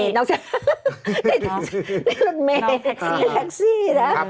นี่รถเมย์แท็กซี่นะ